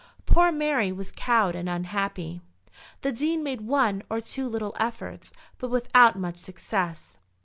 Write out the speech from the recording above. Poor Mary was cowed and unhappy. The Dean made one or two little efforts, but without much success.